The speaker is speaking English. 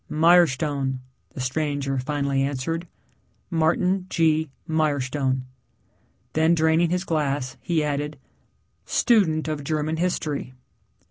"Mirestone," the stranger finally answered, "Martin G. Mirestone." Then, draining his glass, he added, "Student of German history."